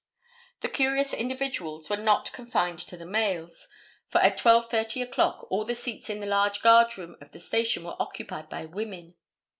The curious individuals were not confined to the males, for at 12:30 o'clock all the seats in the large guard room of the station were occupied by women.